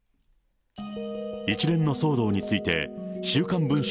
一連の騒動について、週刊文春